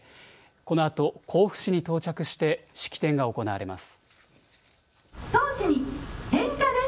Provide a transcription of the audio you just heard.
このあと甲府市に到着して式典が行われます。